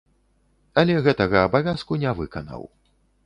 Але гэтага абавязку не выканаў.